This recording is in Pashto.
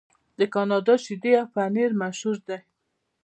د کاناډا شیدې او پنیر مشهور دي.